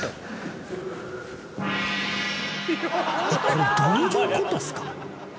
これどういうことっすか？